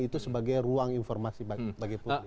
itu sebagai ruang informasi bagi publik